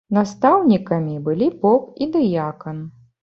Настаўнікамі былі поп і дыякан.